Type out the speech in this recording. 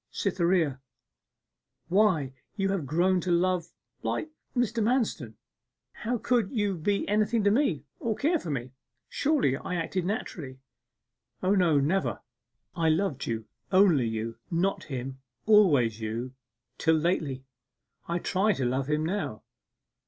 'Cytherea! Why, you had grown to love like Mr. Manston, and how could you be anything to me or care for me? Surely I acted naturally?' 'O no never! I loved you only you not him always you! till lately.... I try to love him now.